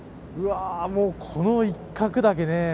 この一角だけね